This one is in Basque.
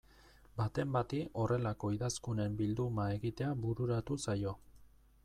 Baten bati horrelako idazkunen bilduma egitea bururatu zaio.